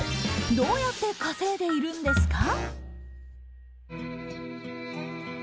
どうやって稼いでいるんですか？